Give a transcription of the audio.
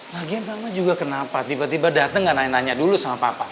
lagian mama juga kenapa tiba tiba dateng nggak nanya nanya dulu sama papa